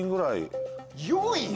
４位？